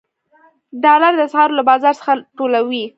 ډالر د اسعارو له بازار څخه ټولوي.